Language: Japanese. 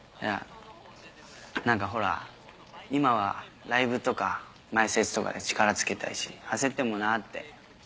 何かほら今はライブとか前説とかで力つけたいし焦ってもなぁって。